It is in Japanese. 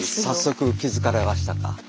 早速気付かれましたか。